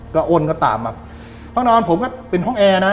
ก็อ้นก็ตามมาห้องนอนผมก็เป็นห้องแอร์นะ